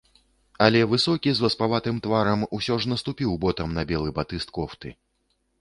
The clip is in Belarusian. Але высокі, з васпаватым тварам, усё ж наступіў ботам на белы батыст кофты.